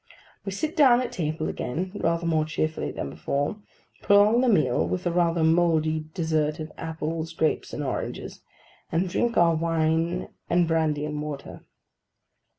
We sit down at table again (rather more cheerfully than before); prolong the meal with a rather mouldy dessert of apples, grapes, and oranges; and drink our wine and brandy and water.